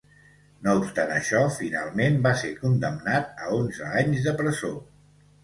No obstant això, finalment va ser condemnat a onze anys de presó.